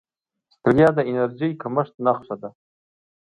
ستړیا د انرژۍ کمښت نښه ده